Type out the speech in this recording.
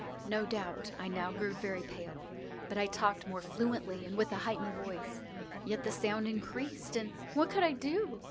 No doubt I now grew very pale;—but I talked more fluently, and with a heightened voice. Yet the sound increased—and what could I do?